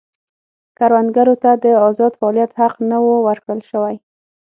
کروندګرو ته د ازاد فعالیت حق نه و ورکړل شوی.